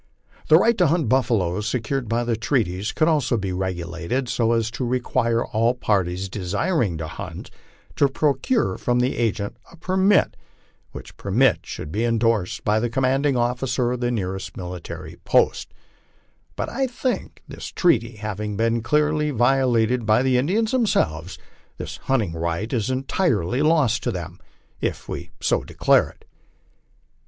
The right to hunt buffaloes, secured by the treaties, could also be regulated so as to require all parties desiring to hunt to procure from the agent a permit, which permit should be indorsed by the commanding officer of the nearest military post; but I think, the treaty having been clearly violated by the Indians themselves, this hunting right is entirely lost to them, if we so declare it."